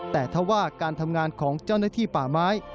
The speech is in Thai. แต่ถ้าว่าการทำงานของเจ้าหน้าที่ป่าไม้